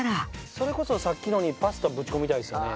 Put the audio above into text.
それこそさっきのにパスタぶち込みたいですよね。